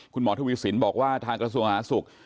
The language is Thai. คุณหมอธวิสินบอกว่าทางกระทรวงศาสตร์ศูกรณ์